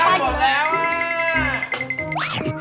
๔หมดแล้ว